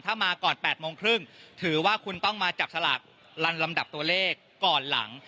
ถ้ามาก่อน๘โมงครึ่งถือว่าคุณต้องมาจับสลากลำดับตัวเลขก่อนหลัง